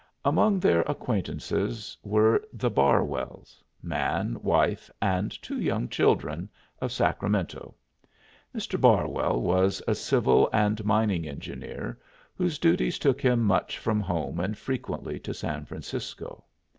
Among their acquaintances were the Barwells man, wife and two young children of Sacramento. Mr. Barwell was a civil and mining engineer, whose duties took him much from home and frequently to San Francisco.